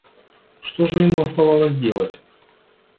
Что же ему оставалось делать?